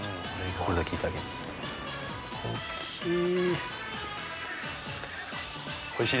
これだけいただこう。